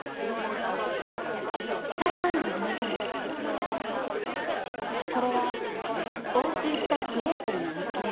裁判員の皆さんこれは押収したグレーテルの日記です。